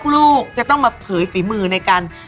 ลูกจะต้องมาเผยฝีมือในการ